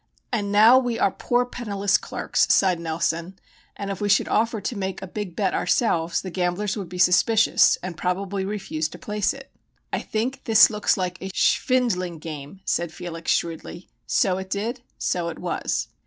"And now we are poor, penniless clerks!" sighed Nelson, "and if we should offer to make a big bet ourselves, the gamblers would be suspicious and probably refuse to place it." "I think this looks like a schvindling game," said Felix shrewdly. So it did; so it was.